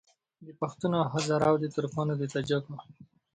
د پښتون او هزاره وو د ترکمنو د تاجکو